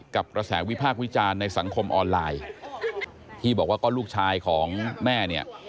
กระแสวิพากษ์วิจารณ์ในสังคมออนไลน์ที่บอกว่าก็ลูกชายของแม่เนี่ย